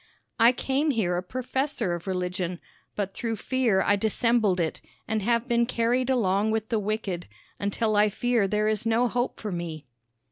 I came here a professor of religion; but through fear I dissembled it, and have been carried along with the wicked, until I fear there is no hope for me."